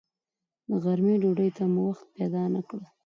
د غرمې ډوډۍ ته مو وخت پیدا نه کړ.